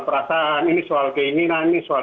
perasaan ini soal keinginan ini soal